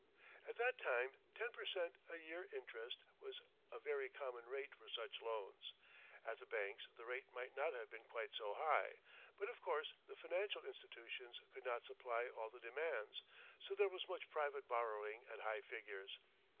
At that time, 10 per cent. a year interest was a very common rate for such loans. At the banks the rate might not have been quite so high; but of course the financial institutions could not supply all the demands, so there was much private borrowing at high figures.